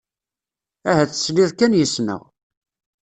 Ahat tesliḍ kan yes-neɣ.